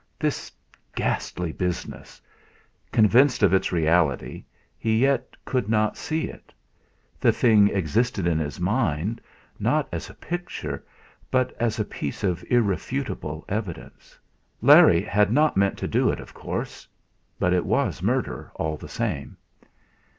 This ghastly business! Convinced of its reality, he yet could not see it. The thing existed in his mind, not as a picture, but as a piece of irrefutable evidence. Larry had not meant to do it, of course. But it was murder, all the same.